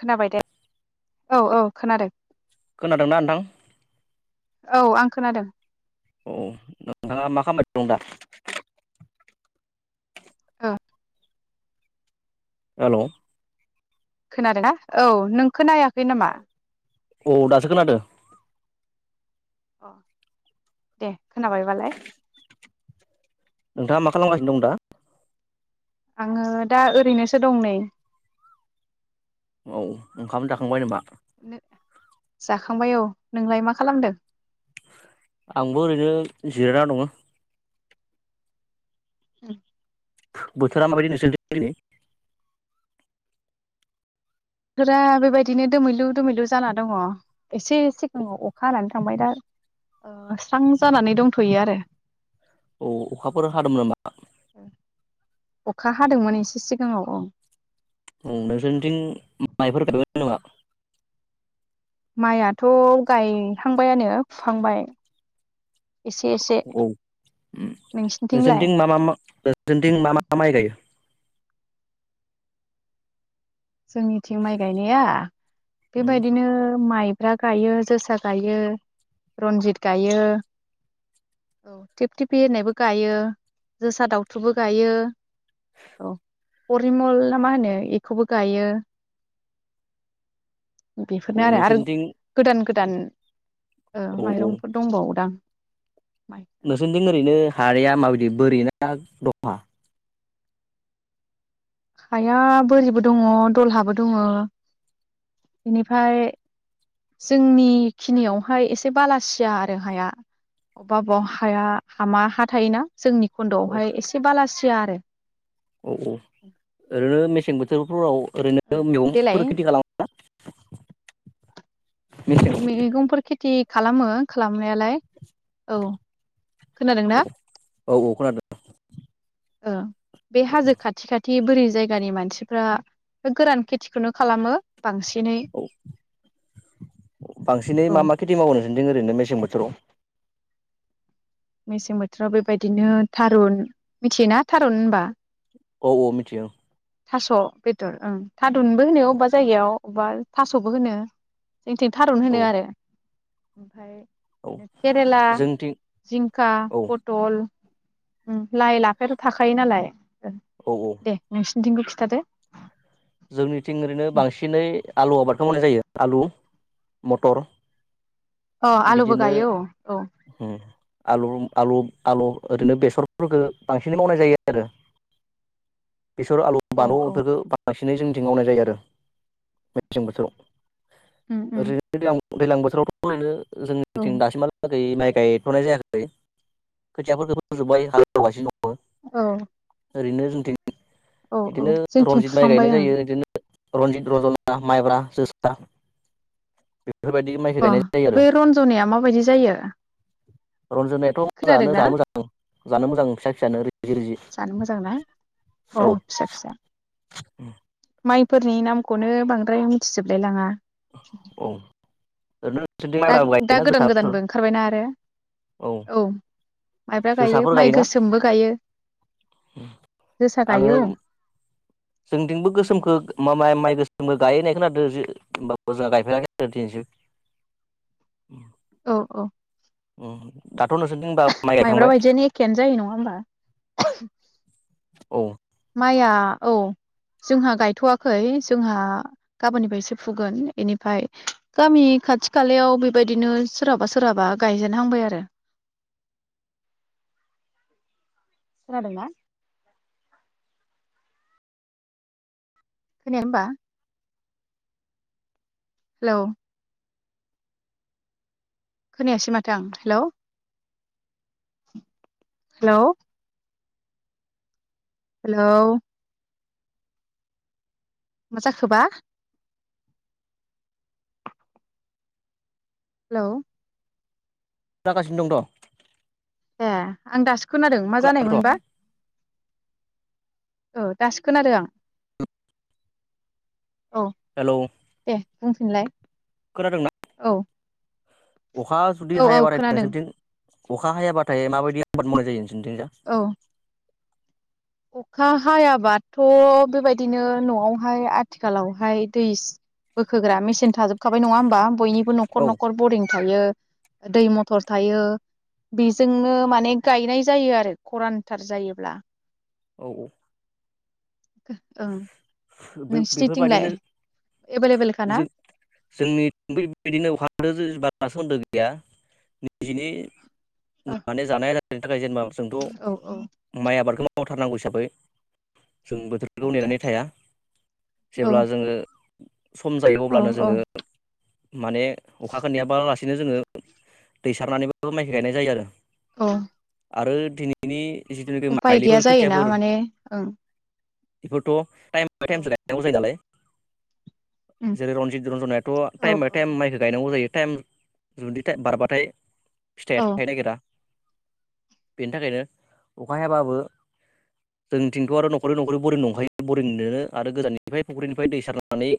खोनाबाय दे औ औ खोनादों खोनादोंना नोंथां? औ आं खोनादों औ नोंथाङा मा खामबाय दं दा? औ। हेल'? खोनादों ना? औ नोंखौ नायाखै नामा? औ दासो खोनादों। अ दे खोनाबायबालाय नोंथाङा मा खालामगासिनो दं दा? आङो दा ओरैनोसो दं नै। औ। ओंखाम जाखांबाय नामा? जाखांबाय औ। नोंलाय मा खालामदों? आंबो ओरैनो जिरायना दङो। उम। बोथोरा माबायदि नोंसोरनिथिं दिनै? बोथोरा बेबायदिनो दोमैलु दोमैलु जाना दङ। एसे सिगाङाव अखा हानानै थांबाय दा ओ स्रां जानानै दंथ'यो आरो। औ अखाफोर हादों नामा? ओ। अखा हादोंमोन एसे सिगाङाव औ। औ नोंसोरनिथिं माइफोर गायबाय नामा? माइयाथ' गायहांबायानो फुहांबाय। एसे एसे औ उम। नोंसिनिथिंलाय नोंसोरथिं मा मा मा नोंसोरथिं मा मा माइ गायो? जोंनिथिं माइ गायनाया? बेबायदिनो माइ माइब्रा गायो, जोसा गायो, रनजित गायो, औ थिफ थिफि होननायबो गायो, जोसा दावथुबो गायो, औ परिमल ना मा होनो एखौबो गायो। औ बेफोरनो आरो आरो नोंसोरनिथिं गोदान गो दान ओ औ औ माइरंफोर दंबावोदां। माइ नोंसोरनिथिं ओरैनो हाया माबायदि? बोरै ना दहा? हाया बोरिबो दङ दलहाबो दङ बेनिफ्राय जोंनिखिनियावहाय एसे बालासिया आरो हाया। अबेबा बबेबा हाया हामा हा थायोना? जोंनि औ खन्द'आवहाय एसे बालासि या आरो। औ औ। ओरैनो मेसें बोथोरफोराव ओरैनो देलाय मैगंफोर खेथि खालामो ना? मेसें मैगंफोर खेथि खालामो खालामनायालाय औ। खोनादों ना औ औ खोनादों ओ बे हाजो खाथि खाथि बोरै जायगानि मानसिफ्रा बे गोरान खेथिखौनो खालामो बांसिनै औ बांसिनै औ मा मा खेथि मावनो नोंसिथिं ओरैनो मेसें बोथोराव मेसें बोथोराव बेबायदिनो थारुन मिथियोना थारुन होनबा औ औ मिथियो थास' बेदर ओं थादुनबो होनो अबेबा जायगायाव अबेबा थास'बो होनो जोंथिं थारुन औ होनो आरो ओमफाय औ केरेला जोंनिथिं जिंखा औ पटल ओ ओ लाइ लाफाथ' थाखायो नालाय औ औ दे नोंस थिखौ खिथादो जोंनिथिं ओरैनो बांसिनै आलु आबादखौ मावनाय जायो आलु मटर अ आलुबो बिदिनो गायो औ औ उम आलु आलु आलु ओरैनो बेसरफोरखौ बांसिनै मावनाय जायो आरो बेसर आलु औ औ बानुफोरखौ बांसिनै जोंनिथिं मावनाय जायो आरो मेसें बोथोराव। उम [unintelligible] उम दैज्लां बोथोराव थ ओरैनो औ जोंनिथिं दासि माला दै माइ गायथ'नाय जायाखै खोथियाफोरखौबो फोजोब्बाय हालेवगासिनो दङ। औ। ओरैनो जोंथिं औ औ इदिनो जोंथिं रनजित माइ फुहांबाय गायनाय ओं जायो इदिनो। रन्जित रजना माइब्रा जोसा। बेफोरबायदि माइखौ बा गायनाय जायो बे रन्जनाया माबायदि जायो। रन्जनायाथ' जानो खोनादोंना जानो मोजां जानो मोजां फिसा फिसायानो रिजि रिजि जानो मोजां ना अ औ। फिसा फिसा उम। माइफोरनि नामखौनो बांद्राय मिथिजोबलाय लाङा। औ। ओरैनो। नोंसोरनिथिं दा माइब्राबो दा गायोना गोदान जोसाफोर गोदानबो ओंखारबायना आरो। औ माइब्रा गायो जोसाफोर माइ गायोना गोसोमबो गायो जोसा आङो गायो। जोंथिंबो गोसोमखौ माइ माइ गोसोमबो गायो होननाय खोनादों होमबाबो जोंहा गायफेराखै दिनैसिम। औ औ [inaudible] माइ माइब्रा गायखांबाय औ बायदियानो एखेयानो जायो नङा होमबा। औ। माइआ औ जोंहा गायथ'वाखै जोंहा गाबोननिफायसो फुगोन बेनिफ्राय गामि खाथि खालायाव बेबायदिनो सोरहाबा सोरहाबा गायजेनहांबाय आरो। खोनादोंना। खोनायाखै होमबा। हेलौ। खोनायासै माथो आं हेलौ। हेलौ। हेलौ। मा जाखोबा। हेलौ। खोनागासिनो दंथ'। ए आं दासो। खोनादों मा खोनादोंथ' जानायमोनबा। औ दासो खोनदों आं। अ हेलौ दे। बुंफिनलाय। खोनादोंना? औ। अखा जुदि औ औ हाया बाराय खोनादों नोंसोरनिथिं अखा हायाबाथाय माबायदि आबाद मावनाय जायो नों सिनथिंजा औ अखा हायाबाथ' बेबायदिनो न'आवहाय आथिखालावहाय दै बोखोग्रा मेसिन थाजोबखाबाय नङा होमबा बयनिबो न'खर औ न'खर बरिं थायो। दै मथर थायो बेजोंनो माने गायनाय जायो आरो खरानथार जायोब्ला। औ औ। हो ओं बे-बेफोर नोंसिनिथिंलाय बायदिनो एभेलेबेलखा ना जों जोंनि बेबायदिनो अखा [unintelligible] [unintelligible] निजिनि औ माने जानाय [unintelligible] [unintelligible] जेनेबा जोंथ औ औ माइ आबादखौ मावथारनांगौ हिसाबै जों बोथोरखौ नेनानै थाया औ जेब्ला जोङो सम जायो औ अब्लानो औ जोङो माने अखाखो नेयाबालासिनो जोङो दै सारनानैबो माइखो गायनाय जायो आरो। औ आरो दिनैनि जिथुनाखि उफाय गैया जायोना माने ओं इफोरथ' [unintelligible] थायेमावसो औ गायनांगौ जायो नालाय उम जेरै रन्जित रन्जनायाथ' औ टाइम बाय औ टाइम माइखौ गायनांगौ जायो टाइम जुदि टा बारबाथाय फिथाइया औ थायनो नागिरा बेनि थाखायनो अखा हायाबाबो जोंथिंथ' आरो नखरै नखरै बरिन दंखायो बरिनदोनो आरो गोजाननिफ्राय फुख्रिनिफ्राय दै सारनानै